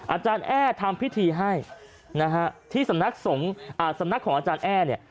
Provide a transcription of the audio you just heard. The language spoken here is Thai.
อาจารย์แอ้ดทำพิธีให้ที่สำนักของอาจารย์แอ้ดเนี่ย